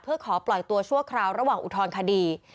เพื่อขอปล่อยตัวชั่วคราวระหว่างอุทธรณคดี